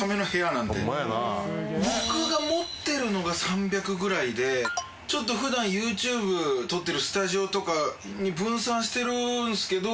僕が持ってるのが３００ぐらいでちょっと普段ＹｏｕＴｕｂｅ撮ってるスタジオとかに分散してるんすけど。